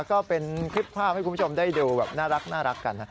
ก็เป็นคลิปภาพให้คุณผู้ชมได้ดูแบบน่ารักกันนะ